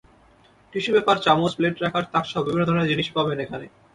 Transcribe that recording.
Tissue paper, চামচ, plate রাখার তাকসহ বিভিন্ন ধরনের জিনিস পাবেন এখানে।